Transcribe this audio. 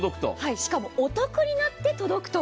しかも、お得になって届くと。